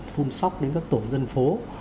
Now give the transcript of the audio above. phung sóc đến các tổ dân phố